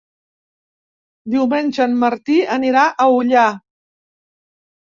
Diumenge en Martí anirà a Ullà.